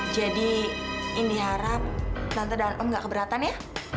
jadi indi harap tante dan om gak keberatan ya